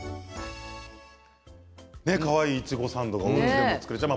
かわいいいちごサンドをおうちでも作れちゃう。